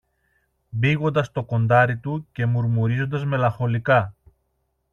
μπήγοντας το κοντάρι του και μουρμουρίζοντας μελαγχολικά